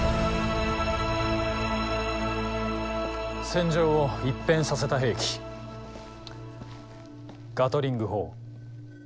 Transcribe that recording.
戦場を一変させた兵器ガトリング砲。